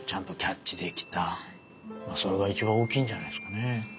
それがいちばん大きいんじゃないですかね。